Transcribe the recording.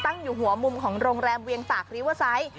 อยู่หัวมุมของโรงแรมเวียงศักดิเวอร์ไซต์